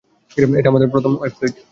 এটা আমার web fluid.